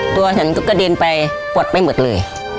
ตัวฉันก็กระเด็นไปปวดไปหมดเลย